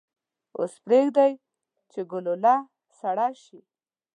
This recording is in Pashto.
اوس پریږدئ چې ګلوله سړه شي.